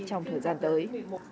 trong thời gian tới